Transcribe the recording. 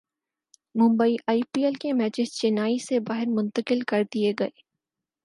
Mumbai I P L کے matches Chennai سے باہر منتقل کر دیئے گئے